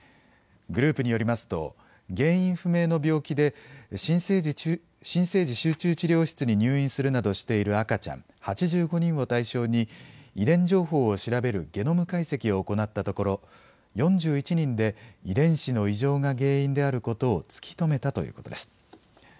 グループによりますと、原因不明の病気で新生児集中治療室に入院するなどしている赤ちゃん８５人を対象に、遺伝情報を調べるゲノム解析を行ったところ、４１人で遺伝子の異常が原因であることを突き止めたということです。